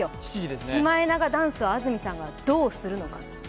シマエナガダンスを安住さんがどうするのか。